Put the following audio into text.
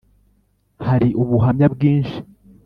Hari ubuhamya bwinshi